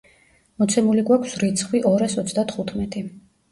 მოცემული გვაქვს რიცხვი ორას ოცდათხუთმეტი.